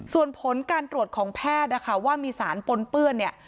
ส่วนผลการตรวจของแพทย์นะคะว่ามีสารปนเปื้อนเนี่ย